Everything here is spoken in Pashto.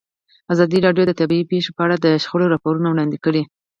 ازادي راډیو د طبیعي پېښې په اړه د شخړو راپورونه وړاندې کړي.